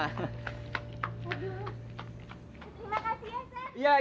terima kasih ya sat